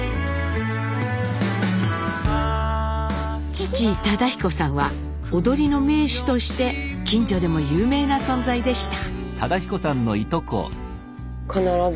父忠彦さんは踊りの名手として近所でも有名な存在でした。